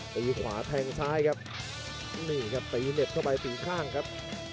ตีขวาแทงซ้ายครับนี่ครับตีเหน็บเข้าไปตีข้างครับ